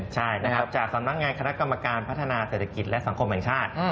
ใช่นะครับจากสำนักงานคณะกรรมการพัฒนาเศรษฐกิจและสังคมแห่งชาติ